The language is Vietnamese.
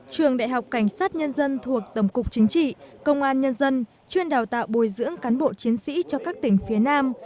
trường đại học cảnh sát nhân dân thuộc tổng cục chính trị công an nhân dân chuyên đào tạo bồi dưỡng cán bộ chiến sĩ cho các tỉnh phía nam